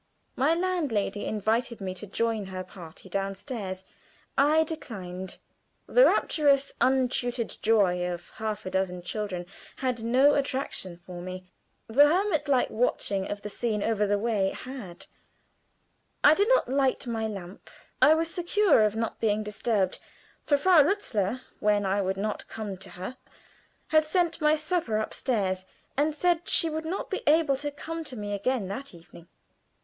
My landlady invited me to join her party down stairs; I declined. The rapturous, untutored joy of half a dozen children had no attraction for me; the hermit like watching of the scene over the way had. I did not light my lamp. I was secure of not being disturbed; for Frau Lutzler, when I would not come to her, had sent my supper upstairs, and said she would not be able to come to me again that evening.